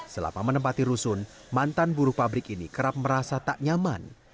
selama menempati rusun mantan buruh pabrik ini kerap merasa tak nyaman